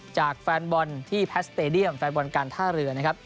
จากแฟนบอลที่แพทสเตดียมแฟนบอลการท่าเรือนะครับ